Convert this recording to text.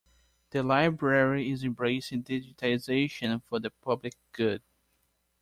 The library is embracing digitization for the public good.